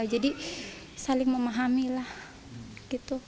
jadi saling memahami lah gitu